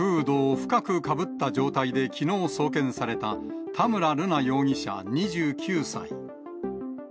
フードを深くかぶった状態できのう送検された、田村瑠奈容疑者２９歳。